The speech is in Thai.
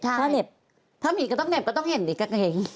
ถ้าเหน็บก็ต้องเห็นเอง